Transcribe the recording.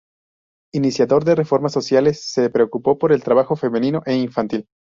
Iniciador de reformas sociales, se preocupó por el trabajo femenino e infantil.